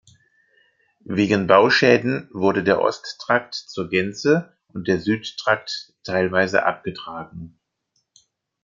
Wegen Bauschäden wurde der Osttrakt zur Gänze und der Südtrakt teilweise abgetragen.